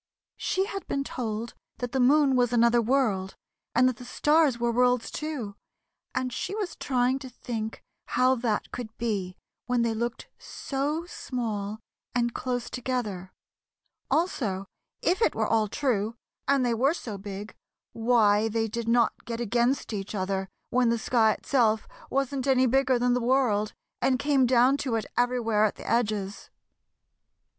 She had been told that the moon was another world, and that the stars were worlds, too, and she was trying to think how that could be when they looked so small and close together; also if it were all true, and they were so big, why they did not get against each other when the sky itself wasn't any bigger than the world and came down to it everywhere at the edges.